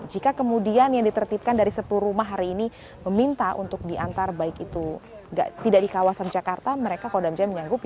jika kemudian yang ditertipkan dari sepuluh rumah hari ini meminta untuk diantar baik itu tidak di kawasan jakarta mereka kodam jaya menyanggupi